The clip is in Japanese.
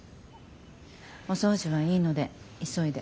お掃除はいいので急いで。